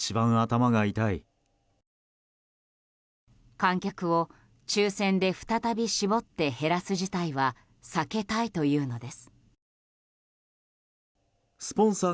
観客を抽選で再び絞って減らす事態は避けたいというのです。